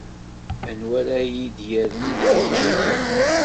Anwa ara iyi-d-yerren idrimen-inu?